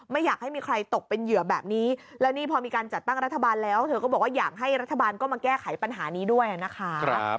ไม่อยากให้มีใครตกเป็นเหยื่อแบบนี้แล้วนี่พอมีการจัดตั้งรัฐบาลแล้วเธอก็บอกว่าอยากให้รัฐบาลก็มาแก้ไขปัญหานี้ด้วยนะคะ